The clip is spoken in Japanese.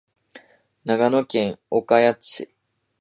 長野県岡谷市